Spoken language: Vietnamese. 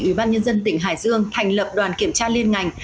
ủy ban nhân dân tỉnh hải dương thành lập đoàn kiểm tra liên ngành